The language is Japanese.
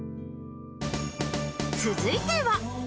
続いては。